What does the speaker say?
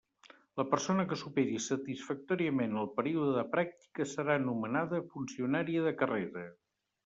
La persona que superi satisfactòriament el període de pràctiques serà nomenada funcionària de carrera.